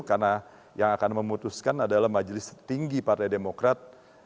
karena yang akan memutuskan adalah majelis tinggi partai demokrat